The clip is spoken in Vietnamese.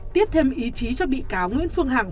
tiếp thêm ý chí cho bị cáo nguyễn phương hằng